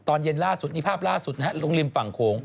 ตอนเย็นล่าสุดนี่ภาพล่าสุดนะฮะตรงริมฝั่งโขง